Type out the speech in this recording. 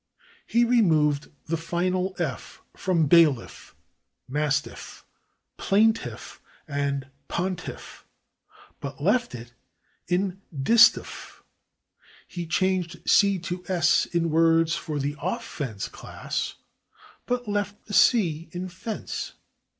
He removed the final /f/ from /bailiff/, /mastiff/, /plaintiff/ and /pontiff/, but left it in /distaff/. He changed /c/ to /s/ in words of the /offense/ class, but left the /c/ in /fence